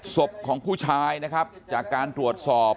ศพของผู้ชายนะครับจากการตรวจสอบ